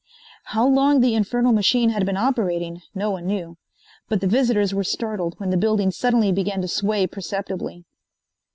How long the infernal machine had been operating no one knew, but the visitors were startled when the building suddenly began to sway perceptibly.